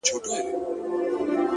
په عزت په شرافت باندي پوهېږي،